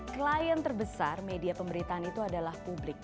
klien terbesar media pemberitaan itu adalah publik